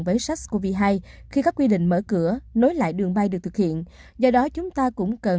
với sars cov hai khi các quy định mở cửa nối lại đường bay được thực hiện do đó chúng ta cũng cần